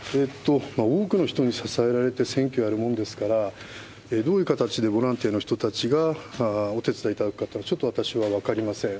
多くの人に支えられて選挙をやるものですから、どういう形でボランティアの人たちがお手伝いいただくか、ちょっと私は分かりません。